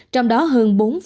trong đó hơn bốn ba triệu người